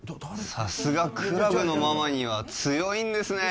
さすがクラブのママには強いんですねえ